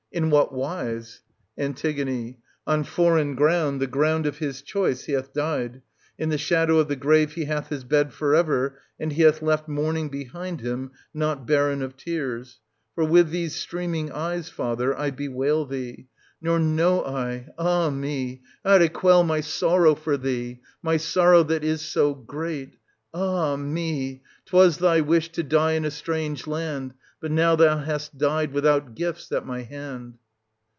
In what wise? An. On foreign ground, the ground of his choice, he hath died; in the shadow of the grave he hath his bed for ever ; and he hath left mourning behind him, not barren of tears. For with 17 10 these streaming eyes, father, I bewail thee; nor know I7II— i74o] OEDIPUS AT COLONUS. 121 I, ah me, how to quell my sorrow for thee, my sorrow that is so great. — Ah me! 'twas thy wish to die in a strange land ; but now thou hast died without gifts at my hand.